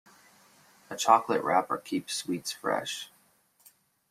A chocolate wrapper keeps sweets fresh.